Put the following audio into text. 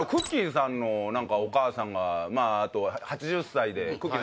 さんのお母さんがまああと８０歳でくっきー！